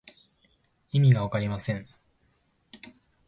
意味がわかりません。